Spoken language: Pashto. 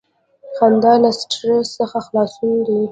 • خندا له سټریس څخه خلاصون دی.